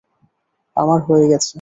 আমার হয়ে গেছে।